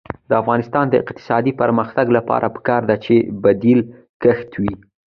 د افغانستان د اقتصادي پرمختګ لپاره پکار ده چې بدیل کښت وي.